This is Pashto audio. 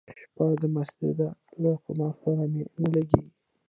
شپه د مستۍ ده له خمار سره مي نه لګیږي